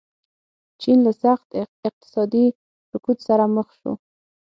چین له سخت اقتصادي رکود سره مخ شو.